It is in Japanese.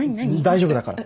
大丈夫だから。